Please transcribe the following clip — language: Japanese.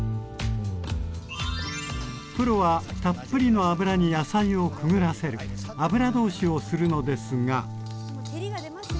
プロはたっぷりの油に野菜をくぐらせる「油通し」をするのですが。